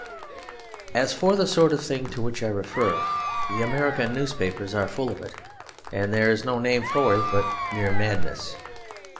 As for the sort of thing to which I refer, the American newspapers are full of it and there is no name for it but mere madness.